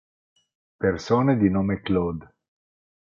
Persone di nome Claude